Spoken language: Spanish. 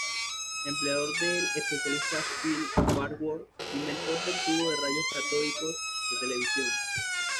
Empleador del especialista Philo Farnsworth, inventor del tubo de rayos catódicos de televisión.